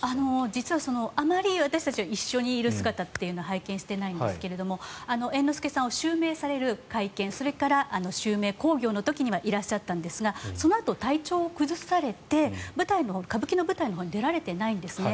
実はあまり私たちは一緒にいる姿というのは拝見していないんですが猿之助さんを襲名される会見それから、襲名興行の時にはいらっしゃったんですがそのあと体調を崩されて歌舞伎の舞台のほうに出られてないんですね。